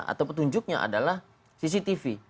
atau petunjuknya adalah cctv